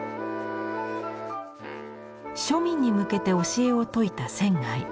庶民に向けて教えを説いた仙。